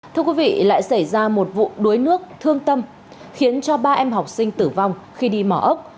thưa quý vị lại xảy ra một vụ đuối nước thương tâm khiến cho ba em học sinh tử vong khi đi mỏ ốc